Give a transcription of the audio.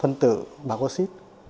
phân tử bạc oxy